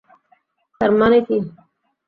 তার মানে কি?